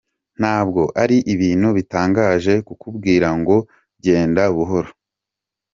Ntabwo ari ibintu bitangaje kukubwira ngo genda buhoro.